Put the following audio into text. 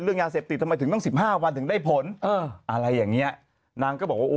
เรื่องยาเสพติดทำไมถึงตั้ง๑๕วันถึงได้ผลอะไรอย่างนี้นางก็บอกว่า